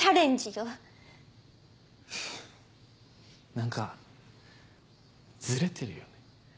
何かずれてるよね。